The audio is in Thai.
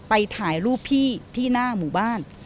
ไปถ่ายรูปพี่ที่หน้าหมู่บ้าน